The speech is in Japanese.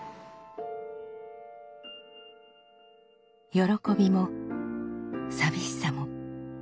喜びも寂しさも。